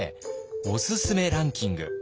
おすすめランキング。